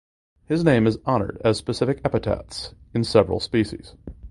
His name is honoured as specific epithets in several species.